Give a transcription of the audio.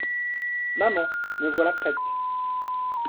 Maman, me voilà prête.